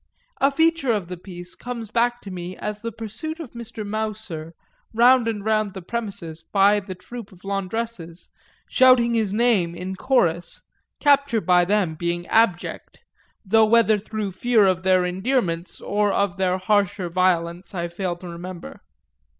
A feature of the piece comes back to me as the pursuit of Mr. Mouser round and round the premises by the troop of laundresses, shouting his name in chorus, capture by them being abject, though whether through fear of their endearments or of their harsher violence I fail to remember.